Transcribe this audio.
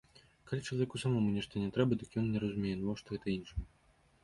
Калі чалавеку самому нешта не трэба, дык ён не разумее, навошта гэта іншым.